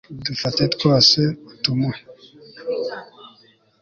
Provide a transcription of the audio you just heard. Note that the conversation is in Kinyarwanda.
dufate twose utumuhe